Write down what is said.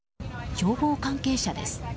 消防関係者です。